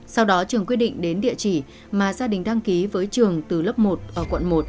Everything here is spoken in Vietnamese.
sau đó trường quyết định đến địa chỉ mà gia đình đăng ký với trường từ lớp một ở quận một